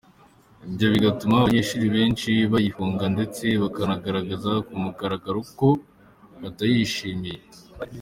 Ibyo bigatuma abanyeshuri benshi bayihunga ndetse bakanagaragaza ku mugaragaro ko batayishimiye.